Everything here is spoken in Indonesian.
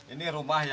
ini rumah yang